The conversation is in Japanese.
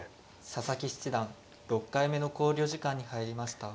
佐々木七段６回目の考慮時間に入りました。